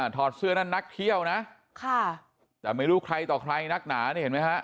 ถอดเสื้อนั่นนักเที่ยวนะค่ะแต่ไม่รู้ใครต่อใครนักหนานี่เห็นไหมฮะ